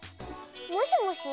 もしもし。